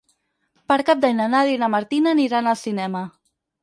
Per Cap d'Any na Nàdia i na Martina aniran al cinema.